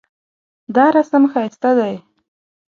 دا رسم ښایسته دی